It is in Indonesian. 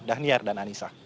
dhaniar dan anissa